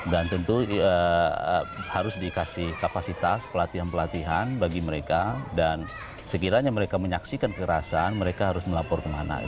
dan tentu harus dikasih kapasitas pelatihan pelatihan bagi mereka dan sekiranya mereka menyaksikan kekerasan mereka harus melapor kemana